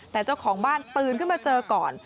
แต่เจ้าของบ้านตื่นขึ้นมาเจอก่อน